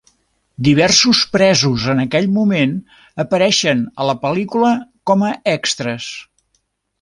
Diversos presos en aquell moment apareixen a la pel·lícula com a extres.